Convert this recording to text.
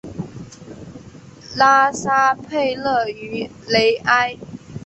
拉沙佩勒于雷埃。